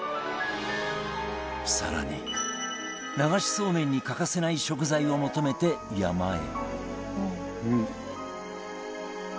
更に流しそうめんに欠かせない食材を求めて山へ